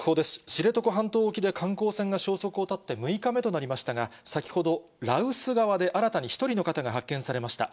知床半島沖で観光船が消息を絶って６日目となりましたが、先ほど、羅臼側で新たに１人の方が発見されました。